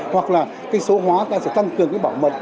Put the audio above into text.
hoặc là cái số hóa ta sẽ tăng cường cái bảo mật